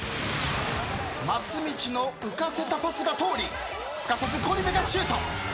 松道の浮かせたパスが通りすかさずゴリ部がシュート。笑